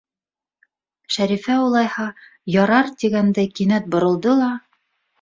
Шәрифә улайһа, ярар тигәндәй кинәт боролдо ла: